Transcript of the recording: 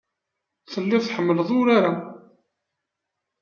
Telliḍ tḥemmleḍ urar-a.